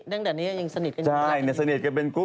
ตั้งแต่นี้ยังสนิทกันกัน